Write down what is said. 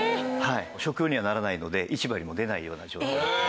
食用にはならないので市場にも出ないような状況。